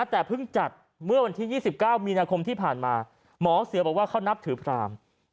แต่เพิ่งจัดเมื่อวันที่๒๙มีนาคมที่ผ่านมาหมอเสือบอกว่าเขานับถือพราม